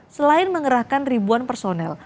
selain mengerahkan ribuan personel